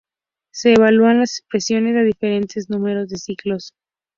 Se evalúan las expresiones a diferentes números de ciclos.